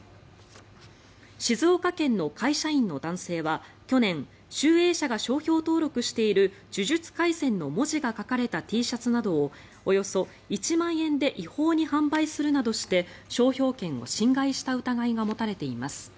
静岡県の会社員の男性は去年集英社が商標登録している「呪術廻戦」の文字が書かれたＴシャツなどを、およそ１万円で違法に販売するなどして商標権を侵害した疑いが持たれています。